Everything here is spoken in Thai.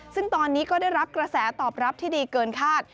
ซึ่งตอนนี้ก็ได้รับกระแสตอบรับที่ดีเกินคาด